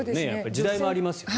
時代もありますよね。